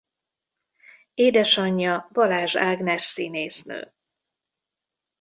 Édesanyja Balázs Ágnes színésznő.